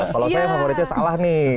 kalau saya favoritnya salah nih